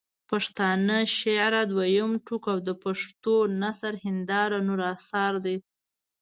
پښتانه شعراء دویم ټوک او د پښټو نثر هنداره نور اثار دي.